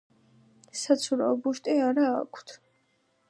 საცურაო ბუშტი არა აქვთ.